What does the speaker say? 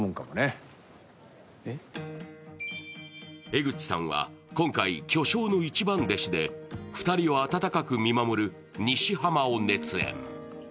江口さんは今回、巨匠の一番弟子で２人を温かく見守る西濱を熱演。